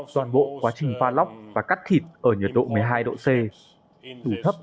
toàn bộ quá trình pha lóc và cắt thịt ở nhiệt độ một mươi hai độ c đủ thấp